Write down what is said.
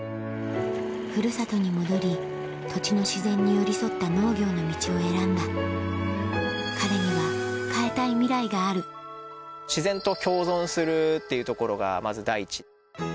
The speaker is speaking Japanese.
ふるさとに戻り土地の自然に寄り添った農業の道を選んだ彼には変えたいミライがある自然と共存するっていうところがまず第一。